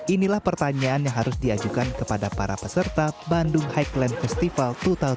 inilah pertanyaan yang harus diajukan kepada para peserta bandung highland festival dua ribu dua puluh